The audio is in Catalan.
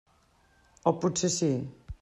O potser sí.